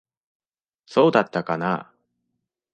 そうだったかなあ。